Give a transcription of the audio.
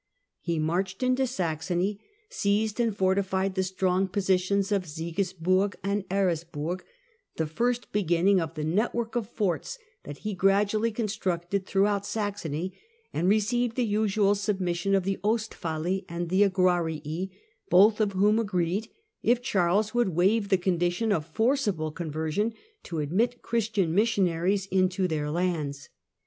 He marched into Saxony, seized and fortified the strong positions of Sigi burg and Eresburg — the first beginning of the network of forts that he gradually constructed throughout Saxony — and received the usual submission of the Ostfali and Angrarii, both of whom agreed, if Charles would waive the condition of forcible conversion, to admit Christian missionaries into their lands.